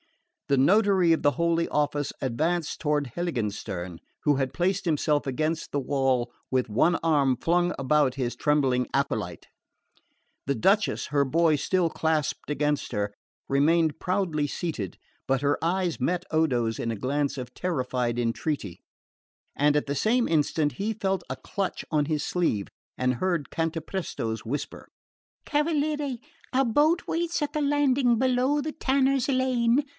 The notary of the Holy Office advanced toward Heiligenstern, who had placed himself against the wall, with one arm flung about his trembling acolyte. The Duchess, her boy still clasped against her, remained proudly seated; but her eyes met Odo's in a glance of terrified entreaty, and at the same instant he felt a clutch on his sleeve and heard Cantapresto's whisper. "Cavaliere, a boat waits at the landing below the tanners' lane.